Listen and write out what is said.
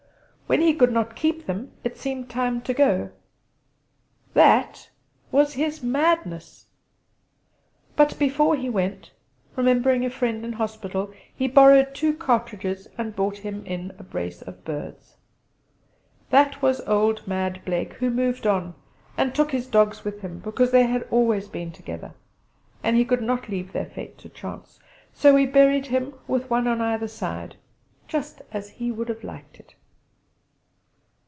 When he could not keep them it seemed time to go! That was his madness. But before he went, remembering a friend in hospital, he borrowed two cartridges and brought him in a brace of birds. That was old mad Blake, who 'moved on' and took his dogs with him, because they had always been together, and he could not leave their fate to chance. So we buried him with one on either side, just as he would have liked it!